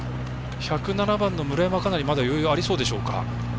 １０７番の村山かなり余裕がありそうでしょうか。